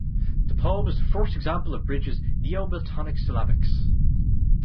The poem is the first example of Bridges' Neo-Miltonic Syllabics.